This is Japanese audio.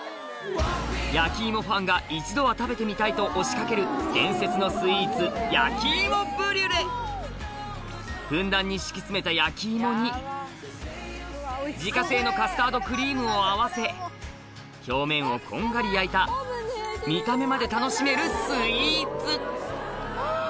焼き芋ファンが一度は食べてみたいと押し掛ける伝説のスイーツふんだんに敷き詰めた焼き芋に自家製のカスタードクリームを合わせ表面をこんがり焼いたうん！がホントに。